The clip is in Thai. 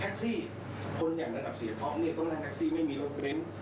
แท็กซี่คนอย่างระดับเสียท้องเนี่ยตรงนั้นแท็กซี่ไม่มีโรงเตรียม